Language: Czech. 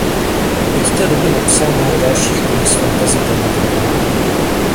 Od té doby napsal mnoho dalších knih s fantasy tematikou.